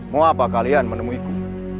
mau apa kalian menemuiku